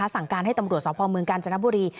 สั่งการให้ตำรวจสพเมืองกาญจนบุรี